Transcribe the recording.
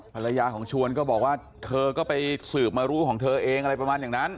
ภรรยาของชวนก็บอกว่าเธอก็ไปสืบมารู้ของเธอเองอะไรประมาณอย่างนั้น